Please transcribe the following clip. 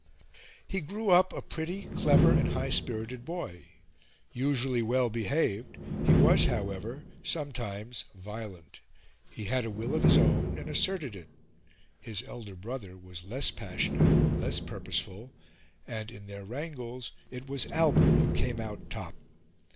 He grew up a pretty, clever, and high spirited boy. Usually well behaved, he was, however, sometimes violent. He had a will of his own, and asserted it; his elder brother was less passionate, less purposeful, and, in their wrangles, it was Albert who came out top.